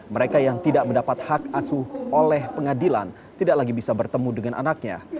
mereka yang tidak mendapat hak asuh oleh pengadilan tidak lagi bisa bertemu dengan anaknya